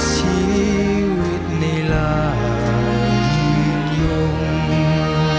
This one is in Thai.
ชีวิตในรายยุคยม